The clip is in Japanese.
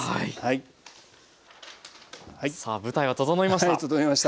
さあ舞台は整いました。